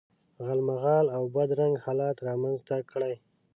غالمغال او بد رنګ حالت رامنځته کړي.